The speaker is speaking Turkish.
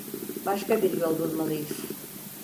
Başka bir yol bulmalıyız.